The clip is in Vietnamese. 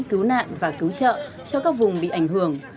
cứu nạn và cứu trợ cho các vùng bị ảnh hưởng